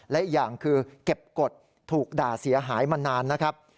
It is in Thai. และอีกอย่างคือเก็บกฎถูกด่าเสียหายมานานนะครับ